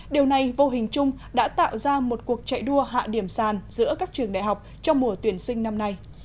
điều này vô hình chung đã tạo ra một cuộc chạy đua hạ điểm sàn giữa các trường đại học trong mùa tuyển sinh năm nay